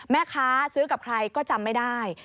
แม่ค้าซื้อกับใครก็จำไม่ได้